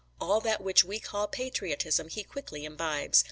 All that which we call patriotism he quickly imbibes.